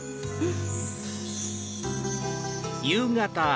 うん！